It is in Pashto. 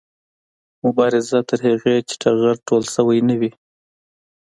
مبارزه تر هغې چې ټغر ټول شوی نه وي